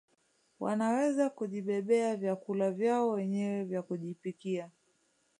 Wanaweza kujibebea vyakula vyao wenyewe vya kujipikia